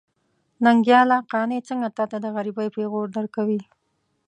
ننګياله! قانع څنګه تاته د غريبۍ پېغور درکوي.